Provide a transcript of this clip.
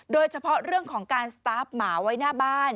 โดยเฉพาะเรื่องของการสตาร์ฟหมาไว้หน้าบ้าน